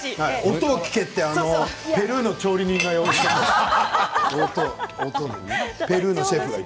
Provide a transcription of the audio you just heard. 音を聞けってペルーの調理人が言ってました。